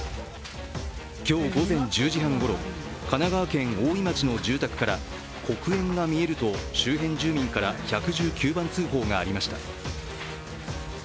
今日午前１０時半ごろ、神奈川県大井町の住宅から黒煙が見えると周辺住民から１１９番通報がありました。